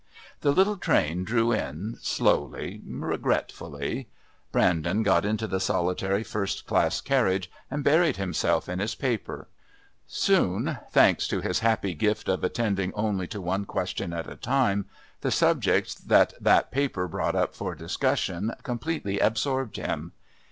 The little train drew in, slowly, regretfully. Brandon got into the solitary first class carriage and buried himself in his paper. Soon, thanks to his happy gift of attending only to one question at a time, the subjects that that paper brought up for discussion completely absorbed him.